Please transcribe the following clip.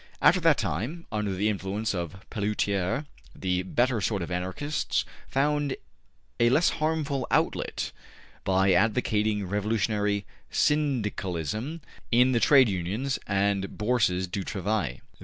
After that time, under the influence of Pelloutier, the better sort of Anarchists found a less harmful outlet by advocating Revolutionary Syndicalism in the Trade Unions and Bourses du Travail.